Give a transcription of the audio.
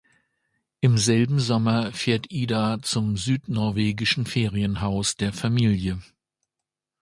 Im selben Sommer fährt Ida zum südnorwegischen Ferienhaus der Familie.